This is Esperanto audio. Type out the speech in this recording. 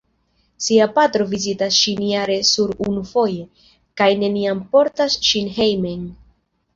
Sia patro vizitas ŝin jare nur unufoje, kaj neniam portas ŝin hejmen.